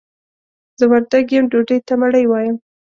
زه وردګ يم ډوډۍ ته مړۍ وايم.